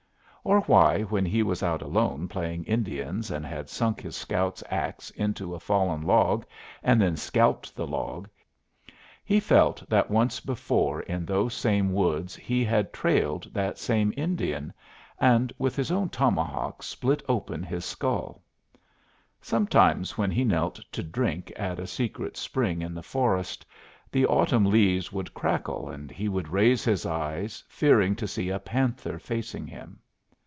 Or why, when he was out alone playing Indians and had sunk his scout's axe into a fallen log and then scalped the log, he felt that once before in those same woods he had trailed that same Indian, and with his own tomahawk split open his skull. Sometimes when he knelt to drink at a secret spring in the forest, the autumn leaves would crackle and he would raise his eyes fearing to see a panther facing him.